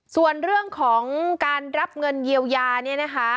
ส่วนเรื่องของการรับเงินเยียวยาเนี่ยนะคะ